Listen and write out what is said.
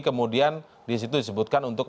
kemudian disitu disebutkan untuk